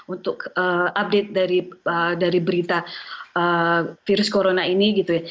untuk update dari berita virus corona ini gitu ya